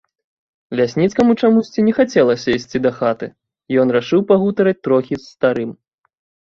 Лясніцкаму чамусьці не хацелася ісці дахаты, ён рашыў пагутарыць трохі з старым.